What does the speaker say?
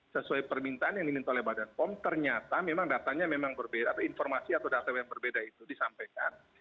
sesuai permintaan yang diminta oleh badan pom ternyata memang datanya memang berbeda atau informasi atau data yang berbeda itu disampaikan